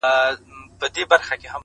ژوند د انتخابونو خاموشه مجموعه ده؛